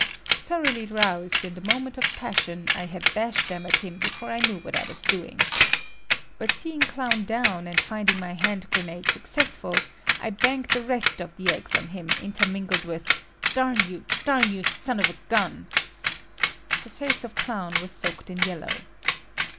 Thoroughly roused, in the moment of passion, I had dashed them at him before I knew what I was doing. But seeing Clown down and finding my hand grenade successful, I banged the rest of the eggs on him, intermingled with "Darn you, you sonovagun!" The face of Clown was soaked in yellow.